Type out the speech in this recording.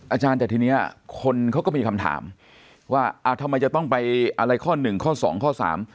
อาจารย์แต่ทีเนี้ยคนเขาก็มีคำถามว่าอ่าทำไมจะต้องไปอะไรข้อหนึ่งข้อสองข้อสาม